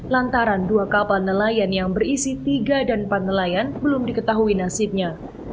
lantaran dua kapal nelayan yang berisi tiga dan empat nelayan belum diketahui nasibnya